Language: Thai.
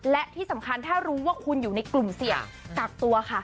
และที่สำคัญถ้ารู้ว่าคุณอยู่ในกลุ่มเสี่ยงกักตัวค่ะ